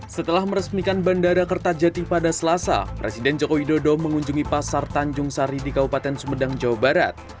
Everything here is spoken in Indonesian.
setelah meresmikan bandara kertajati pada selasa presiden joko widodo mengunjungi pasar tanjung sari di kabupaten sumedang jawa barat